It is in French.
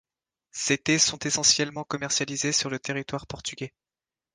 Ses thés sont essentiellement commercialisés sur le territoire portugais.